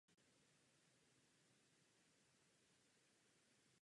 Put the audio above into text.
Byl proti snižování vojenských výdajů a zkrácení vojenské služby.